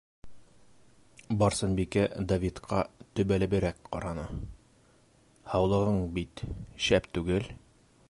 - Барсынбикә Давидҡа төбәлеберәк ҡараны. - һаулығың бит... шәп түгел.